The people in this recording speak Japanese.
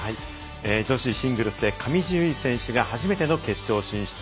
女子シングルスで上地結衣選手が初めての決勝進出。